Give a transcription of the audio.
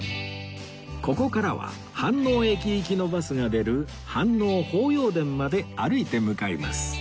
ここからは飯能駅行きのバスが出る飯能法要殿まで歩いて向かいます